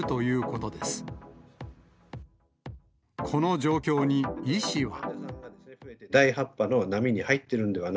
この状況に医師は。